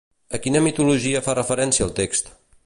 A quina mitologia fa referència el text?